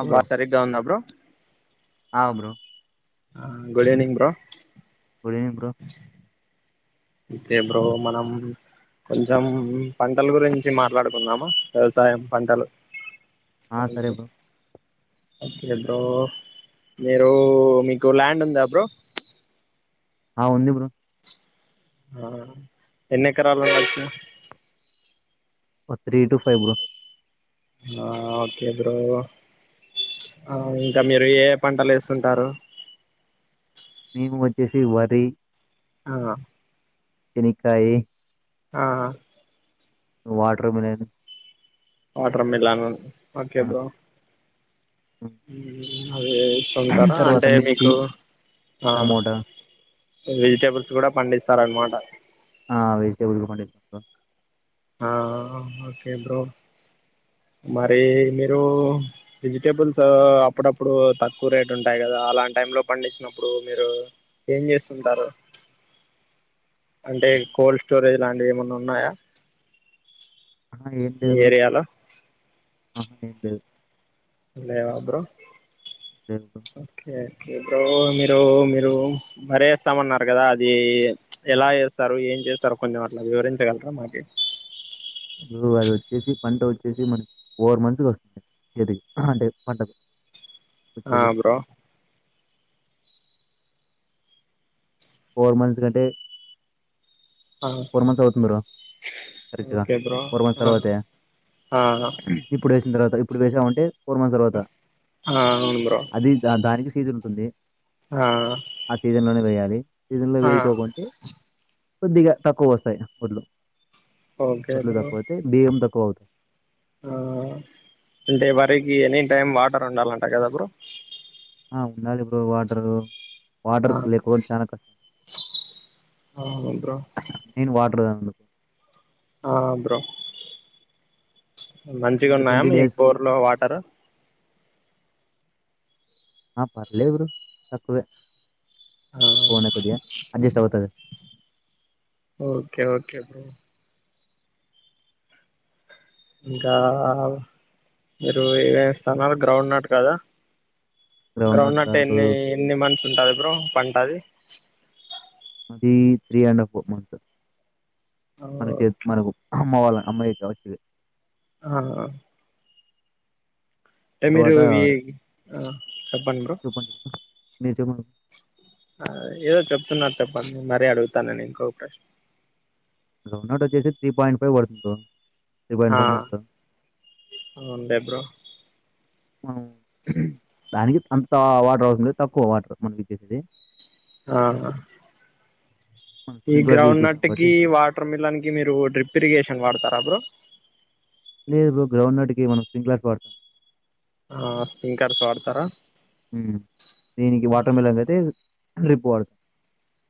ఆ వా బ్రో సరిగ్గా ఉంద బ్రో ఆ బ్రో ఆ good evening bro good evening bro ఇతే బ్రో మనం కొంచెం పంటలు గురించి మాట్లాడుకుందామా వ్యవసాయం పంటలు ఆ సజ సరే బ్రో ఓకే బ్రో మీరు మీకు ల్యాండ్ ఉందా బ్రో ఆ ఉంది బ్రో ఆ ఎన్ని ఎకరాలు ఉండొచ్చు ఆ త్రీ ఇటూ ఫైవ్ బ్రో ఆ ఓకే బ్రో ఆ ఇంకా మీరు ఏ పంటలు వేస్తు ఉంటారు మేము వచ్చేసి వరి ఆ ఎనిక ఈ ఆ ఓ water melon water melon okay ఆ! బ్రో హ్మ్. అదిస్తుంటారా తర్వాత అంటే మిర్చి మీకు అ టమోటా వెజిటేబుల్స్ కూడా పండిస్తార అనమాట ఆ వెజిటేబుల్ కొ ఆ ఓకే బ్రో మరి మీరు వెజిటేబుల్స్ అప్పుడప్పుడు తక్కువ రేట్ ఉంటాయి కదా అలా టై లో పండించినప్పుడు మీరు ఏం చేస్తుంటారు అంటే కోల్డ్ స్టోరేజ్ లాంటివి ఏమన్నా ఉన్నాయా మి ఏరియాలో అ నే బ లేవా బ్రో లేదు బ్రో ఇప్పుడు మీరు మీరు మర వేస్తామన్నారు కదా అది ఎలా చేస్తారు ఏ చేస్తారు కొంచెం అట్లా వివరించగలరా మాకి అది వచ్చేసి పంట వచ్చేసి మనకి ఫోర్ మంత్స్ కి వస్తుంది ఏది అహ పంటదు ఆ బ్రో ఫోర్ మంత్స్ కంటే ఆ ఫోర్ మంత్స్ అవుతుంది మీరు కరెక్ట్గా ఓకే బ్రో ఫోర్ మంత్స్ ఆ తర్వాతే ఆ ఇప్పుడు వేసిన తర్వాత ఇప్పుడు వేసామంటే ఫోర్ మంత్స్ తర్వాత ఆ అవును బ్రో అది ద దానికి సీజున్ ఉంది ఆ అది సీజన్లోనే వేయాలి సీజన్లో ఆ వేయికోకుండా కొద్దిగా తక్కువ వస్తాయి ఒడ్లు ఓకే కొడ్లు బ్రో తక్కువతాయి బియ్యం తక్కువ అవుతాయి అంటే వరికి ఎనీ టైమ్ వాటర్ ఉండాల అంట కదా బ్రో ఆ ఉండాలి ఇ బ్రో వాటరు వాటర్ ఆ లేకపోడం చాలా కష్టం ఆ అవున్ బ్రో మెయిన్ వాటర్ తాగను. ఆ బ్రో మంచిగా ఏమంటే ఉన్నాయా ట్వంటీ డేస్ మీక్ బోర్లో వాటరు ఆ పర్ లేవుడు తక్కువే ఆ ఫోనే కొద్దిగా స్ అడ్జస్ట్ అవుతుంది ఓకే ఓకే బ్రో ఇంకా మీరు ఏవే స్థానాలు గ్రౌండ్ నాట్ కదా గ్రౌండ్నట్ గ్రౌండ్ అట్టటు కాదు ఎన్ని ఎన్ని మంచి ఉంటుది బ్రో పంటది అది త్రీ అండ్ హఫ్ మంత్స్ మన చే ఓకే మనకు అమ్మవాల అమ్మాయి క వచ్చు ఏ ఆహ ఎ మీరు తర్వాత వి ఆ చెప్పండి బ్రో నిజమగు అ ఏదో చెప్తు ఉన్నారు చెప్పండి అదే అడుగుతానని ఇంకో ఒక్క రోమ్ నాట్ వచ్చేసి త్రీ పాయింట్ ఫైవ్ పడుతు ఉంద్ ఆ అవున్ లే బ్రో అ దానికి అంత వాటర్ అవసరం లేద్ తక్కువ వాటర్ మనకి ఇచ్చేస్ దే ఆహ మనం ఈ స్ప్రింక్లర్స్ యూజ్ గ్రౌండ్ చేస్తాం నట్ కి కాబట్టి వాటర్ మిల్లాన్కి మీరు డ్రిప్ ఇరిగేషన్ వాడతారా బ్రో లేదు బ్రో గ్రౌండ్ నట్ కి ఏమన్నా స్్రింగ్క్్లాస్ వాడతాం ఆ స్ప్రింకర్స్ వాడతారా ఉ దీనికి వాటర్ మెల్లంగ్ అయితే రిపోర్ట్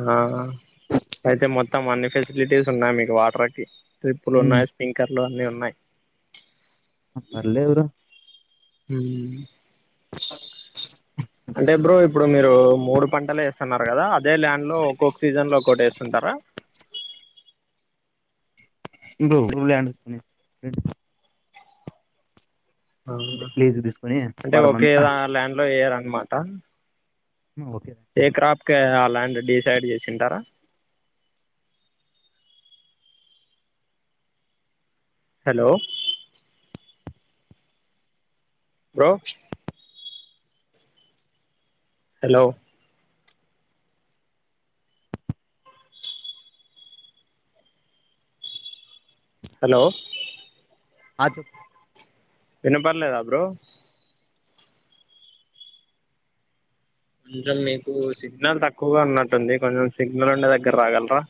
ఆ అయితే మొత్తం అన్ని ఫెసిలిటీస్ ఉన్నాయి మీకు వాటర్కి ట్రిప్పులు హ్మ్ ఉన్నాయి స్పింకర్లు అన్నీ ఉన్నాయి ఆ పర్లేదు బ్రో ఉ అంటే బ్రో ఇప్పుడు మీరు మీరు మూడు పంటలు వేస్తున్నారు కదా అదే ల్యాండ్ లో ఒక్కొక్క సీజన్ లో ఒక్కటి వేస్తుంటారా హ్ ఇంకో ల్యాండ్ ఉంది రెండు ఆ అంటే లీజుకు తీసుకొని అంటే పర్ మంత్ ఒకేదా ల్యాండ్ లో వయ్యారన్నమాట ఓకే ఏ రైట్. క్రాప్కే ఆ ల్యాండ్ డిసైడ్ చేసింటారా హలో బ్రో హలో హలో అ చెప్పు వినపడలేదా బ్రో కొంచెం మీకు సిగ్నల్ తక్కువగా ఉన్నట్టుంది కొంచెం సిగ్నల్ ఉండే దగ్గర రాగలరా మ్మ్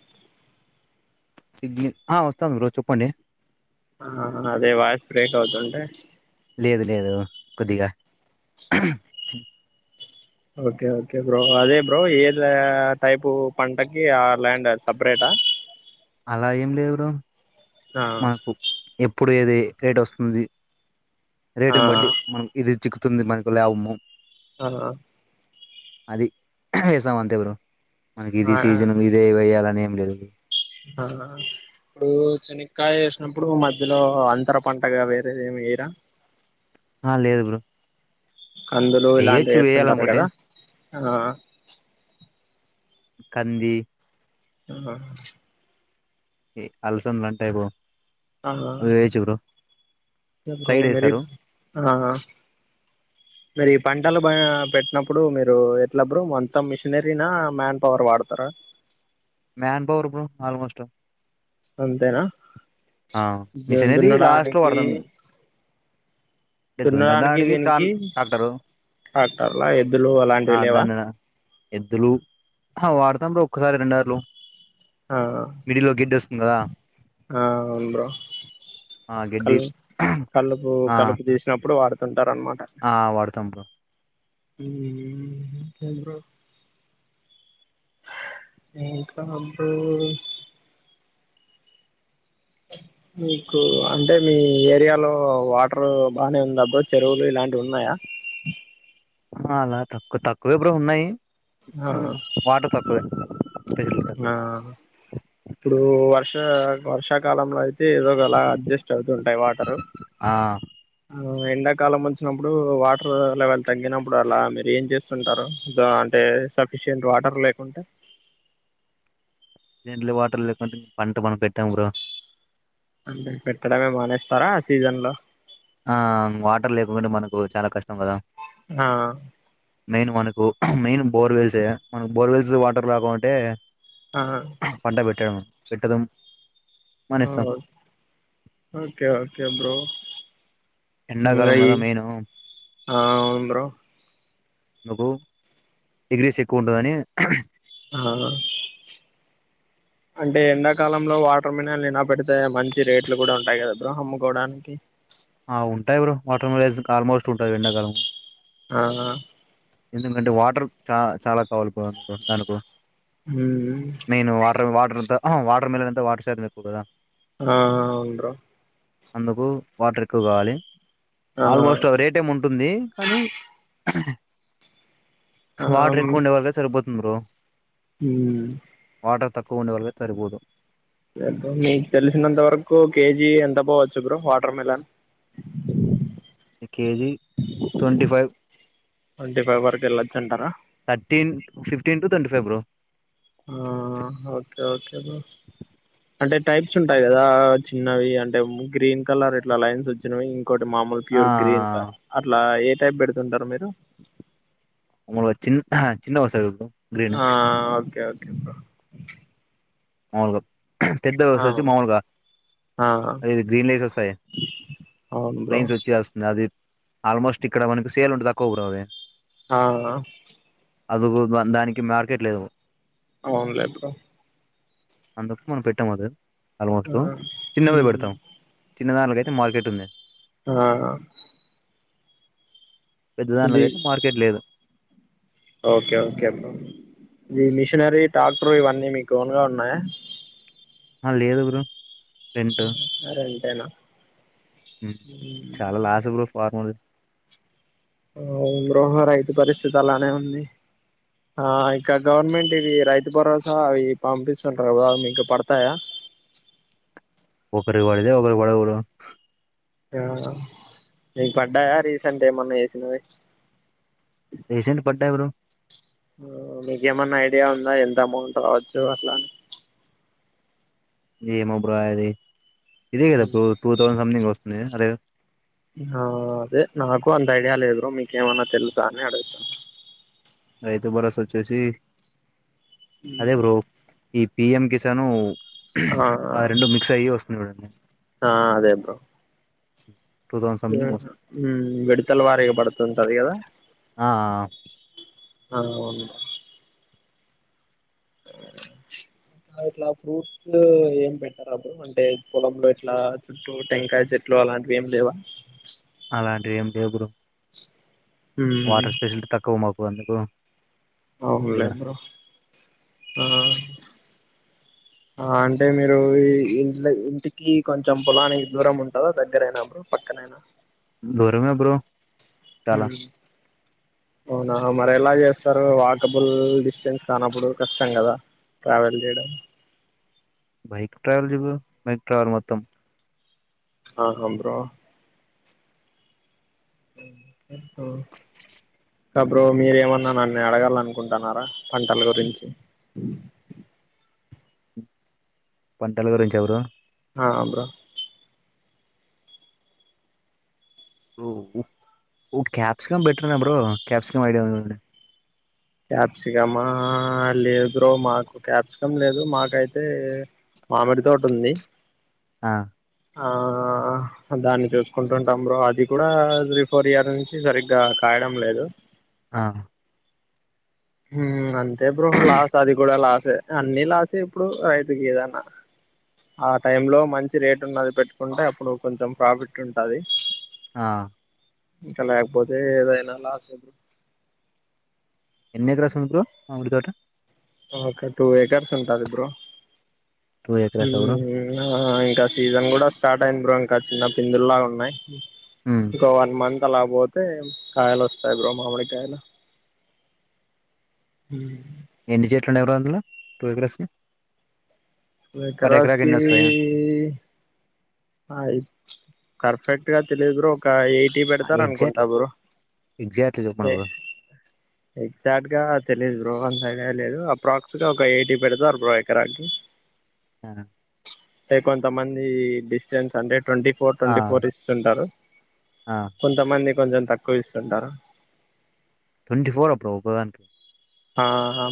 సిగ్ని ఆ వస్తా బ్రో చెప్పండి ఆ అదే వాయిస్ బ్రేక్ అవుతుంటే లేదు లేదు కొద్దిగా ఓకే ఓకే బ్రో అదే బ్రో ఏద టైప్ పంటకి ఆ ల్యాండ్ సపరేట్ ఆ అలా ఏం లేదు బ్రో ఆ మకు ఎప్పుడు ఏది రేట్ వస్తుంది ఆ రేటుని బట్టి మనం ఇది చిక్కుతుంది మనకు లాభము ఆ అది వ్యవసాయం అంటే బ్రో మనకి ఇది ఆ సీజన్ ఇదే వేయ్యాలని ఏం లేదు ఆ ఇప్పుడు శనగకాయ వేసినప్పుడు మధ్యలో అంతర పంటగా వేరే ఏమి వెయ్యరా ఆ లేదు బ్రో కందులు ఇలాంటివి వేయొచ్చు వేస్తుంటారు వేయాలనుకుంటే కదా ఆ కంది ఆ అలసందలు ఉంటాయి బ్రో అవి వేయొచ్చు బ్రో మీకు సైడ్ మేరీ వేస్తారు ఆ మేరీ పంట పంటలు బా పెట్టినప్పుడు మీరు ఎట్ల బ్రో మొత్తం మిషినరీనా మ్యాన్ పవర్ వాడతారా మ్యాన్ పవర్ బ్రో ఆల్మోస్ట్ అంతేనా ఆ దే మిషనరీ లాస్ట్ లో దున్నడానికి వాడతాం అంటే దున్నడానికి దున్నదానికి టాన్ దీనికి ట్రాక్టరు టక్టర్ల ఎద్దులు ఆ అలాంటివి లేవా దాన్ని ఎద్దులు వాడుతాం బ్రో ఒక్కసారి రెంర్లు ఆ మిడిల్ లో గేడ్డి వస్తుంది కదా ఆ అవును బ్రో ఆ క గడ్డి కలుపు ఆ కలుపు తీసినప్పుడు వాడత ఆ వాడుతాం బ్రో ఉ ఇంకేం బ్రో ఇంకా బ్రో మీకు అంటే మీ ఏరియాలో వాటర్ బానే ఉందబ్బో చెరువులు ఇలాంటివి ఉన్నాయా వ సే అలా తక్కువ తక్కువే ఎప్పుడు ఉన్నాయి ఆ వాటర్ తక్కువే స్పెషల్ తక్కువే ఆ ఇప్పుడు వర్ష వర్షాకాలంలో అయితే అయితే ఏదో ఒకలా అడ్జస్ట్ అవుతుంటాయి వాటరు ఆ ఎండాకాలం వచ్చినప్పుడు వాటర్ లెవెల్ తగ్గినప్పుడు అలా మీరు ఏం చేస్తారు అంటే సఫిషింట్ వాటర్ లేకుంటే దంట్లు వాటర్ లేకుంటే ఇం పంట మనం పెట్టాం బ్రో అంటే పెట్టడమే మానేస్తారా సీజన్ లో ఆ వాటర్ లేకుకుంటే మనకు చాలా కష్టం కదా ఆ మెయిన్ మనకు మెయిన్ బోర్వెల్సే మనకు బోర్వెల్స్ వాటర్ గా అంటే ఆ పంట పెట్ట పెట్టద ఓకే ఓకే బ్రో ఎండా ఇంకా కలాం కథ ఈ మీన్ ఆ అవును బ్రో నాకు ఎగ్రీస్ ఎక్కువ ఉంటుందని ఆ అంటే ఎండాకాలంలో వాటర్ మినల్ నినా పెడితే మంచి రేట్లు కూడా ఉంటాయి కదా బ్ర అమ్కోవడానికి మోటర్ మిలస్ ఆల్మోస్ట్ ఉంటుంది ఎండాకాలము ఆ ఎందుకంటే వాటర్ చాల చాలా కావాలి పో దానికి మెయిన్ ఉమ్ వాటర్ అంత వాటర్ మిల్ అంత వాటర్ చేదు ఎక్కువ కదా ఆ అవను బ్రూ అందుకు వాటర్ ఎక్కువ కావాలి ఆ ఆల్మోస్ట్ అ రేట్ ఏమి ఉంటుంది కానీ ఆ వాటర్ ఎక్కువ ఉండేవారుక సరిపోతుంది బ్రో హ వాటర్ తక్కువ ఉండేవాళ్లకి సరిపోదు పు మీకు తెలిసినంత వరకు కేజీ ఎంత పోవచ్చు bro water melon KG twenty five twenty five వరకు వెళ్ళొచ్చు అంటారా టీన్ to twenty five bro okay okay అంటే టైప్స్ ఉంటాయి కదా చిన్నవి అంటే గ్రీన్ కలర్ ఇట్లా లైన్స్ వచ్చినవి ఇకోటి మామూలు ఆ ప్యూర్ గ్రీన్ అట్లా ఏ టైప్ పెడుతుంటారు మీరు ఉ చిన్న చిన్న వస ఆ ఓకే ఓకే అ అవు [unintelligible] పెద్ద వస్తు వచ్చి మామూలుగా ఆ అద గ్రీన్ రైస్ వస్తాయి అవును బ్రో లైన్స్ వచ్చే వస్తుంది అది ఆల్మోస్ట్ ఇక్కడ మనకి సేల్ ఉంటంది తక్కువ ఒకరు అవ ఆ అదుగు దానికి మార్కెట్ లేదు అవునులేదు అందుకు మనం పెటమ్ ఆ ఆల్మోస్ట్ చిన్నవి ఉమ్. పెడతాం చిన్నదానికి అయితే మార్కెట్ ఉంది ఆ పెద్దదానిక ఇది అయితే మార్కెట్ లేదు ఓకే ఓకే [unintelligible] ఇ మిషనరీ టాక్టరు ఇవన్నీ మీకు ఓన్గా ఉన్నాయా ఆ లేదు బరు రెంట్ ఏనా చాలా లాస ఫార్మలు ఆ గృహ రైతు పరిస్థితి అలానే ఉంది ఆ ఇంక గవర్నమెంట్ ఇవి రైతు భరోసా అవి పంపిస్తుంటారుా కదా మీక పడతాయా ఒకరికి పడితే ఒకరి పడవు బ్రో ఆ నీకు పడ్డాయా రీసెంట్గా ఏమన్నా చేసినవి రీసెంట్ పడ్డాయి బ్రో మీకేమన్నా ఐడియా ఉందా ఎంత అమౌంట్ రావచ్చు అట్లాని ఏమో బ్రో అది ఇదే కదా ఇప్పు టూ థౌసండ్ సంథింగ్ వస్తుంది ఆ అదే నాకు అంత ఐడియా లేదు్ మీకేమన్నా తెలుసా అని అడుగుతాను రైతు బరోసా వచ్చేసి హ అదే బ్రో ఈ పిఎం కిసాను ఆ రెండ మిక్స్ అయ్యి వస్తుంది ఆ అదే బ్రో టూ థౌసండ్ సంథింగ్ వస్తుంది విడతల వారీగా పడుతుంటంది కదా ఆ అ అవును ఇంకా ఇట్లా ఫ్రూట్స్ ఏం పెట్టారు అప్పుడు అంటే పొలంలో ఇట్లా చుట్టూ టెంకాయ చెట్లా అలాంటివి ఏం లేవా అలాంటి ఏం లేవు బ్రో మ్మ్ వాటర్ స్పెసిలిటీ తక్కువ మాకు అందుకు అవునులే ఇదిగా ఆ ఆ అంటే మీరు ఈ ఇంట్ ఇంటికి కొంచెం పొలానికి దూరం ఉంటందా దగ్గరయినా బ్రో పక్కననా దరమే బ్రో చాలా మ్మ్ అవునా మరి ఎలా చేస్తారు వాకబుల్ డిస్టెన్స్ కానప్పుడు కష్టం కదా ట్రావెల్ చేయడం బైక్ ట్రావల్ జ మైక్ ట్రావల్ మొత్తం ఆహా బ్రో ఓ కాబ్రో మీరేమన్నా నన్ను అడగానుకుంటున్నారా పంటల గురించి పంటల గురించి ఎవరు ఆ అ బ్ర ఓ క్యాప్సికం బెటర్నే బ్రో క్యాప్సికం ఐడియా ఉందండి క్యాప్సికమా లేదు బ్రో మాకు క్యాప్సికం లేదు మాకైతే మామిడి తోట ఉంది ఆ ఆ దాన్ని చూసుకుంటుంటాం బ్రో అది కూడా త్రీ ఫోర్ ఇయర్ నుంచి సరిగ్గా కాయడం లేదు ఆ అంతే బ్రో లాస్ అది కూడా లాసే అన్ని లాసే ఇప్పుడు రైతుకి ఏదన్న ఆ టై లో మంచి రేటు ఉన్నది పెట్టుకుంటే అప్పుడు కొంచెం ప్రాఫిట్ ఉంటుది ఆ ఇంకా లేకపోతే ఏదైనా లాస్ ఎప్పురు ఎన్ని ఎక్రాస్ ఉంది బ్రో మా ఉఊడికాట ఒక టూ ఎకర్స్ ట బ్రో టూ ఎకరాస్ బ్రో ఇంకా సీజన్ కూడా స్టార్ట్ అయింది బ్ర ఇంకా చిన్న పిందుల్లా ఉన్నాయి ఉమ్. ఇంకా వన్ మంత్ లా పోతే కాయలు ఒస్తాయి బ్రో మామిడి కాయలు హ ఎన్ని చెట్లుండి ఎవరు అందులో టూ వీలర్స్ కే కరచీ ఆ కర్ఫెక్ట్ గా తెలిదుర ఒకయి టీ పెడతారనుకుంటా ఎగ్జాక్ట్లీ బ్రో ఎగ్జాక్ట్లీ చెప్పండి బ్రో ఎగ్జాక్ట్ గా తెలీదు బ్రో అంత లేలేదు అప్రాక్స్గా ఒక ఎయిటీ పెడతే అరవై ఎకరాకి ఆ అంటతే కొంతమంది డిస్టెన్స్ అంటే ట్వంటీ ఫోర్ ఆ ట్వంటీ ఫోర్ ఇస్తుంటారు ఆ. కొంతమంది కొంచెం తక్కువ ఇస్తుంటారు ట్వంటీ ఫోరబ్రో ఒదానికి ఆ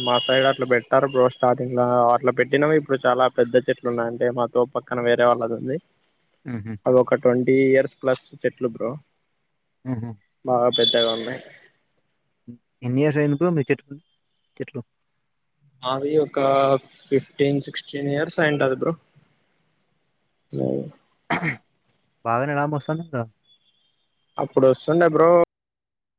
మా సైడ్ అట్లా పెట్టారు బో స్టార్టింగ్ లో అట్లా పెట్టినవి ఇప్పుడు చాలా పెద్ద చెట్లు ఉన్నాయిడి అంటే మాతో పక్కన వేరే వాళ్ళది ఉంది ఉమ్హా అవి ఒక ట్వంటీ ఇయర్స్ ప్లస్ చెట్లు బ్రో ఆహ బాగా పెద్దగా ఉన్నాయి. ఎన్ని ఇయర్స్ అయింది మీరు చెట్లు చెట్లు అవి ఒక ఫిఫ్టీన్ సిక్స్టీన్ ఇయర్స్ అయింటది బ్రో అ బాగానే ఎలా మస్తాందంట అప్పుడు వస్తుండే బ్రో